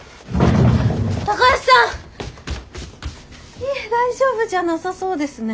高橋さん！え大丈夫じゃなさそうですね。